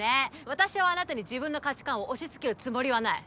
私はあなたに自分の価値観を押し付けるつもりはない。